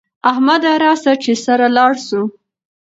احمده راسه چې سره لاړ سو